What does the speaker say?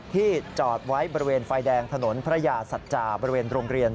ที่จอดไว้บริเวณไฟแดงถนนพระยาศัตรรย์